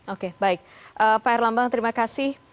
oke baik pak erlambang terima kasih